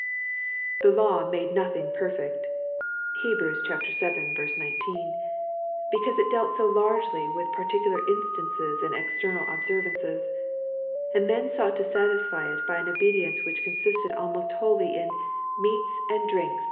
The lata made notktTig perfect " (Heb. viL 19), because it dealt so largely with particular instances and externa) observances ; and men sought to satisfy it by an obedience which consisted almost wholly in " meats and drinks and 3.